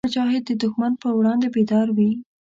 مجاهد د دښمن پر وړاندې بیدار وي.